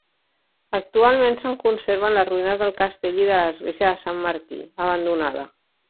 Actualment se'n conserven les ruïnes del castell i de l'església de Sant Martí, abandonada.